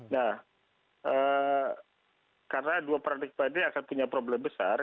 nah karena dua paradigma ini akan punya problem besar